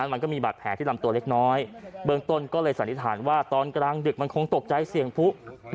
มันก็มีบาดแผลที่ลำตัวเล็กน้อยเบื้องต้นก็เลยสันนิษฐานว่าตอนกลางดึกมันคงตกใจเสี่ยงผู้